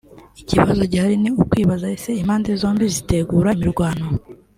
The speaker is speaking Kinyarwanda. ikibazo gihari ni ukwibaza ese impande zombi zitegute imirwano